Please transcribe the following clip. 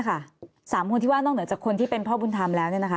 ๓คนที่ว่านอกเหนือจากคนที่เป็นพ่อบุญธรรมแล้ว